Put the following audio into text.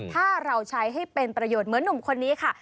ถ้าเราใช้ให้เป็นประโยชน์เหมือนหนุ่มคนนี้ค่ะ